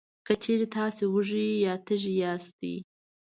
که چېرې تاسې وږي یا تږي یاستی،